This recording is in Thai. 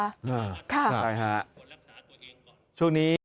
ค่ะใช่ค่ะช่วงนี้